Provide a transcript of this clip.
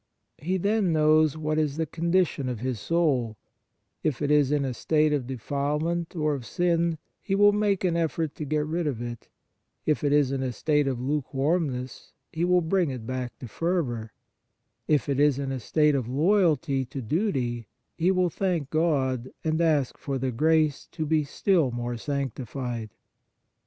He then knows what is the condition of his soul ; if it is in a state of defilement or of sin, he will make an effort to get rid of it ; if it On the Exercises of Piety is in a state of lukewarmness, he will bring it back to fervour ; if it is in a state of loyalty to duty, he will thank God and ask for the grace to be still more sanctified.